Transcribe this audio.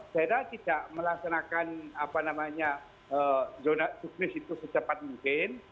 daerah tidak melaksanakan apa namanya zonasi juknis itu secepat mungkin